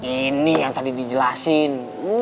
ini yang tadi dijelasin